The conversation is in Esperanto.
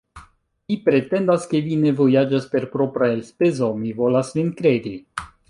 Vi pretendas, ke vi ne vojaĝas per propra elspezo; mi volas vin kredi.